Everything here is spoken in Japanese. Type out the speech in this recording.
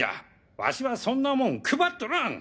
ワシはそんなもん配っとらん！